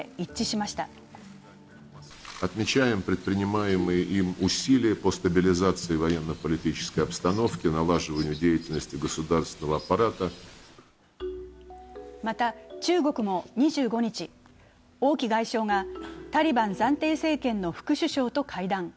また、中国も２５日、王毅外相がタリバン暫定政権の副首相と会談。